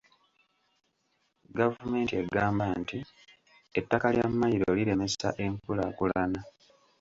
Gavumenti egamba nti ettaka lya mmayiro liremesa enkulaakulana.